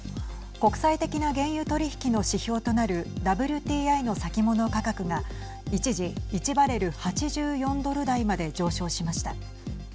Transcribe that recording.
国際的な原油取り引きの指標となるＷＴＩの先物価格が一時、１バレル＝８４ドル台まで上昇しました。